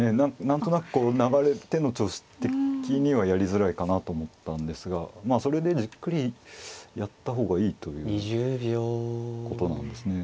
何となくこう流れ手の調子的にはやりづらいかなと思ったんですがまあそれでじっくりやった方がいいということなんですね。